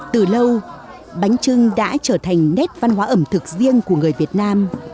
từ lâu bánh trưng đã trở thành nét văn hóa ẩm thực riêng của người việt nam